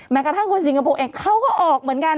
แม้กระทั่งคนสิงคโปร์เองเขาก็ออกเหมือนกัน